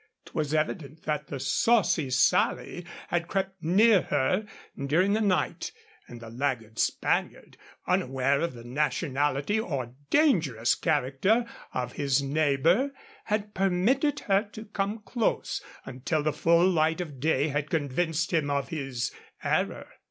'Twas evident that the Saucy Sally had crept near her during the night; and the laggard Spaniard, unaware of the nationality or dangerous character of his neighbor, had permitted her to come close, until the full light of day had convinced him of his error.